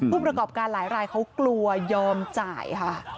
ผู้ประกอบการหลายรายเขากลัวยอมจ่ายค่ะ